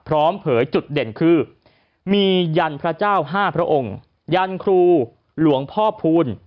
เผยจุดเด่นคือมียันพระเจ้า๕พระองค์ยันครูหลวงพ่อพูล